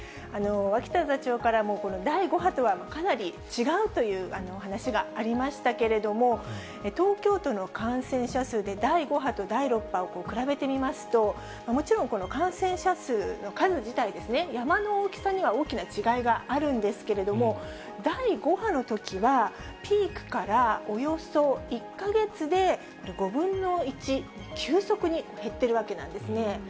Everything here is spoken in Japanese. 脇田座長からも、第５波とはかなり違うというお話がありましたけれども、東京都の感染者数で第５波と第６波を比べてみますと、もちろんこの感染者数の数自体ですね、山の大きさには大きな違いがあるんですけれども、第５波のときは、ピークからおよそ１か月で５分の１、急速に減っているわけなんですね。